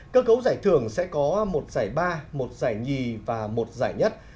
cơ cấu giải thưởng sẽ có một giải ba một giải nhì và một giải nhất